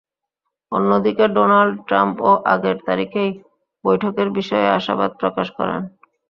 অন্যদিকে, ডোনাল্ড ট্রাম্পও আগের তারিখেই বৈঠকের বিষয়ে আশাবাদ প্রকাশ করেছেন।